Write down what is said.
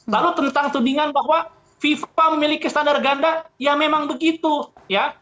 lalu tentang tudingan bahwa fifa memiliki standar ganda ya memang begitu ya